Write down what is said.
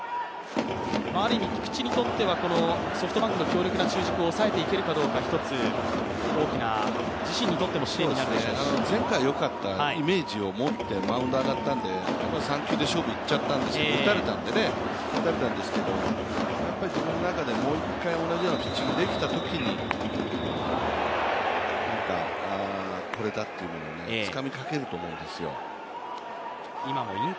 ある意味、菊地にとってはソフトバンクの強力な主軸を抑えていけるかという、ひとつ大きな自身にとっても試練になるでしょうし前回よかったイメージをもっとマウンド上がっちゃったんで３球で勝負して打たれたんで自分の中でもう一回同じようなピッチング、できたときにこれだというものをつかみかけると思うんですよ。